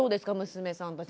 娘さんたちは。